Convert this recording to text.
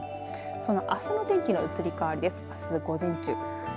そのあすの天気の移り変わりです。